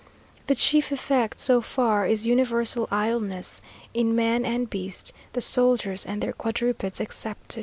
The chief effect, so far, is universal idleness in man and beast, the soldiers and their quadrupeds excepted.